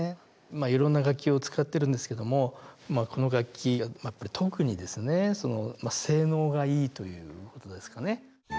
いろんな楽器を使ってるんですけどもこの楽器は特にですね性能がいいということですかね。